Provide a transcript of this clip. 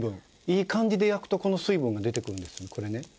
いい感じで焼くとこの水分が出てくるんですねこれね。